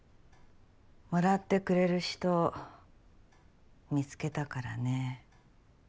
貰ってくれる人見つけたからね。